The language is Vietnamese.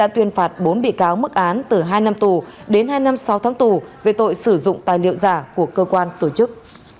tuyên phạt bốn bị cáo mức án từ hai năm tù đến hai năm sáu tháng tù về tội sử dụng tài liệu giả của cơ quan tổ chức